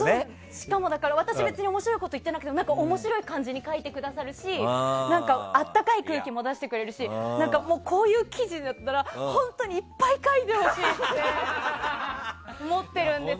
しかも、だから私別に面白いことを言ってなくても面白い感じに書いてくださるし温かい空気も出してくれるしこういう記事だったら本当にいっぱい書いてほしいって思ってるんです。